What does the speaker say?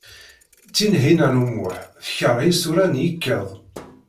Tinhinan u Muḥ tekṛeh isura n yikkeḍ.